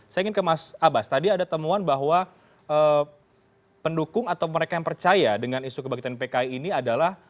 saya ingin ke mas abbas tadi ada temuan bahwa pendukung atau mereka yang percaya dengan isu kebangkitan pki ini adalah